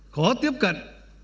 khó tiếp cận